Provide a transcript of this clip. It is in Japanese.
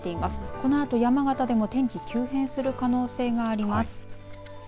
このあと山形でも天気急変する可能性があります。